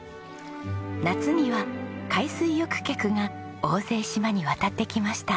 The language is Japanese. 夏には海水浴客が大勢島に渡ってきました。